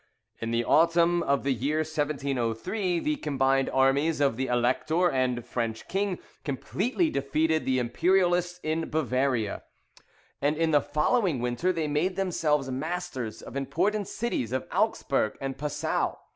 In the autumn of the year 1703, the combined armies of the Elector and French king completely defeated the Imperialists in Bavaria; and in the following winter they made themselves masters of the important cities of Augsburg and Passau.